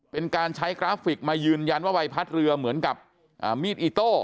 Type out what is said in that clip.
เป็นการใช้กราฟิกมายืนยันว่าใบพัดเรือเหมือนกับมีดอิโต้